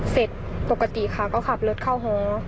เสร็จปกติค่ะก็ขับรถเข้าหอ